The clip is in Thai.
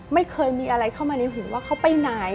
ไม่เคยมีอะไรเข้ามาในหูว่าเขาไปไหน